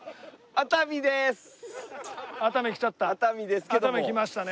熱海来ましたね。